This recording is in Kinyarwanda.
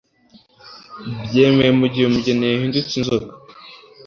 byemere mugihe umugeni yahindutse inzoka